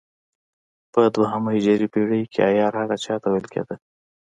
په دوهمه هجري پېړۍ کې عیار هغه چا ته ویل کېده.